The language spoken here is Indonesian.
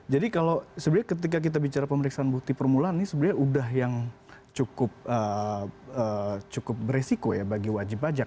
jadi kalau sebenarnya ketika kita bicara pemeriksaan bukti permulaan ini sebenarnya sudah yang cukup beresiko ya bagi wajib pajak